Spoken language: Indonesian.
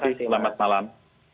terima kasih selamat malam